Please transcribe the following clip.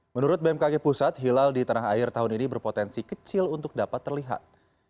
menurut bmkg pusat hilal di tanah air tahun ini berpotensi kecil untuk dapat terlihat